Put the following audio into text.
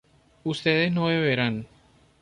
ustedes no beberán